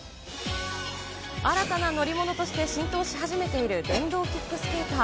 新たな乗り物として浸透し始めている電動キックスケーター。